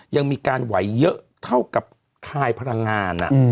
ยังมีการไหวเยอะเท่ากับคลายพลังงาน